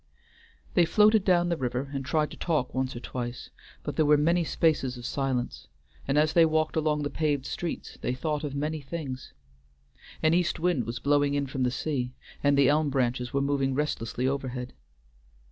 They floated down the river and tried to talk once or twice, but there were many spaces of silence, and as they walked along the paved streets, they thought of many things. An east wind was blowing in from the sea, and the elm branches were moving restlessly overhead.